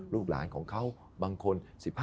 ลูกหลานของเขาบางคน๑๕